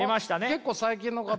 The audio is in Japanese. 結構最近の方。